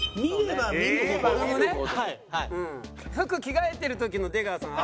服着替えてる時の出川さん